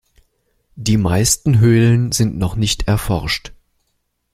Die meisten Höhlen sind noch nicht erforscht.